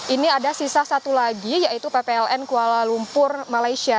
ini ada sisa satu lagi yaitu ppln kuala lumpur malaysia